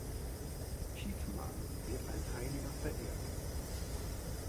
Thietmar wird als Heiliger verehrt.